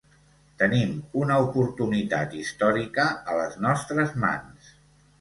Tenim una oportunitat històrica a les nostres mans.